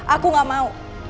aku gak mau